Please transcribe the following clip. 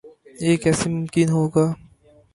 یہ کیسے ممکن ہو گا؟